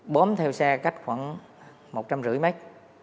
bấm theo xe cách khoảng một trăm năm mươi mét